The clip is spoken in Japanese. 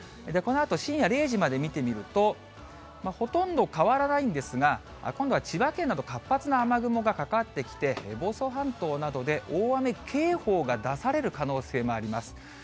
このあと深夜０時まで見てみると、ほとんど変わらないんですが、今度は千葉県など、活発な雨雲がかかってきて、房総半島などで大雨警報が出される可能性もあります。